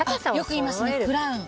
よく言いますねクラウン。